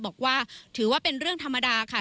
บอกว่าถือว่าเป็นเรื่องธรรมดาค่ะ